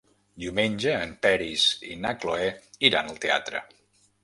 Diumenge en Peris i na Cloè iran al teatre.